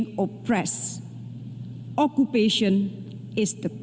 kekuatan adalah masalah utama